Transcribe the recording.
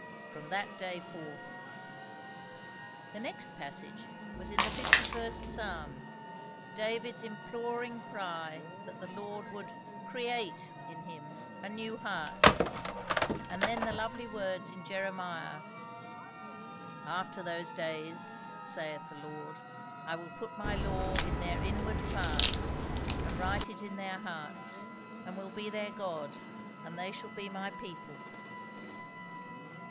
From that day forth. The next passage was in the fifty first psalm; David's imploring cry that the Lord would "create" in him "a new heart"; and then the lovely words in Jeremiah: "After those days, saith the Lord, I will put my law in their inward parts, and write it in their hearts; and will be their God, and they shall be my people."